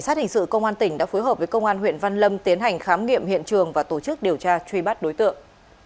tự công an tỉnh đã phối hợp với công an huyện văn lâm tiến hành khám nghiệm hiện trường và tổ chức điều tra truy bắt đối tượng